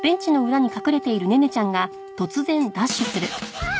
あっ！